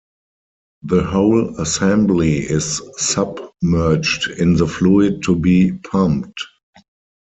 The whole assembly is submerged in the fluid to be pumped.